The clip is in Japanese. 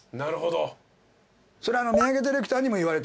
それディレクターにも言われて。